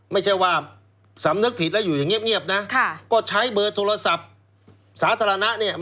ไม่ใช่ว่าสำนึกผิดแล้วอยู่อย่างเงียบนะค่ะก็ใช้เบอร์โทรศัพท์สาธารณะเนี่ย